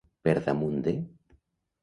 Per damunt de.